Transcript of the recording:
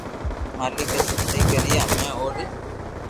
مالڪ اي سب سھي ڪرئي ھمي اوري